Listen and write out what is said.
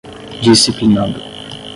disciplinando